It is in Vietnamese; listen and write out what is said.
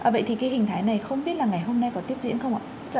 vậy thì cái hình thái này không biết là ngày hôm nay có tiếp diễn không ạ